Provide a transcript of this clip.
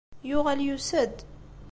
Yuɣal yusa-d.